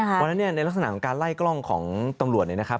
เพราะฉะนั้นเนี่ยในลักษณะของการไล่กล้องของตำรวจเนี่ยนะครับ